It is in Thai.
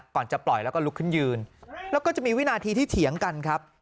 ก่อนจะปล่อยแล้วก็ลุกขึ้นยืนแล้วก็จะมีวินาทีที่เถียงกันครับ